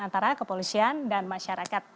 antara kepolisian dan masyarakat